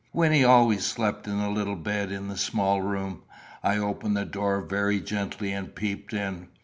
Wynnie always slept in a little bed in the same room. I opened the door very gently, and peeped in.